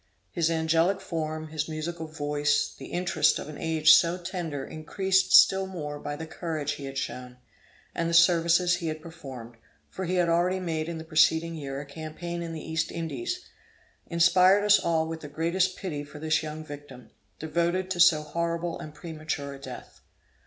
His angelic form, his musical voice, the interest of an age so tender increased still more by the courage he had shown, and the services he had performed, for he had already made in the preceding year a campaign in the East Indies, inspired us all with the greatest pity for this young victim, devoted to so horrible and premature a death.